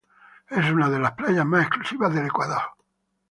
Es una de las playas más exclusivas del Ecuador.